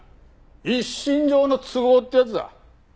一身上の都合ってやつだ。